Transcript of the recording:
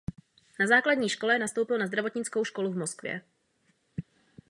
Po základní škole nastoupil na zdravotnickou školu v Moskvě.